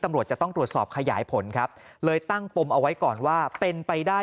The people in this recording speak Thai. ตำรวจจะต้องตรวจสอบขยายผลครับเลยตั้งปมเอาไว้ก่อนว่าเป็นไปได้